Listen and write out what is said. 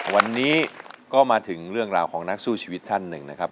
วันนี้ก็มาถึงเรื่องราวของนักสู้ชีวิตท่านหนึ่งนะครับ